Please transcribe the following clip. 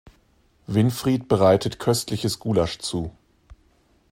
Winfried bereitet köstliches Gulasch zu.